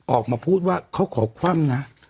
ออกมาพูดว่าเขาขอคว่ำนะ